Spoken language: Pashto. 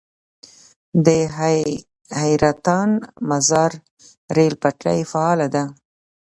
د حیرتان - مزار ریل پټلۍ فعاله ده؟